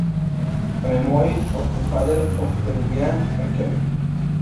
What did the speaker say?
A memoir of the Father of Peruvian Archaeology.".